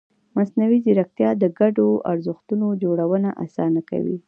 مصنوعي ځیرکتیا د ګډو ارزښتونو جوړونه اسانه کوي.